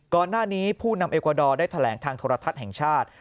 ก่อนหน้านี้ผู้นำเอกวาดอร์ได้แถลงทางโทรทัศน์แห่งชาติ